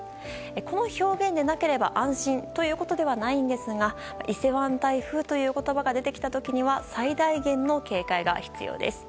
この表現でなければ安心ということではないですが伊勢湾台風という言葉が出てきた時には最大限の警戒が必要です。